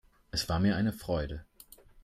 Es war mir eine Freude.